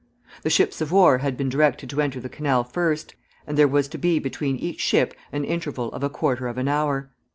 The ships of war had been directed to enter the canal first, and there was to be between each ship an interval of a quarter of an hour.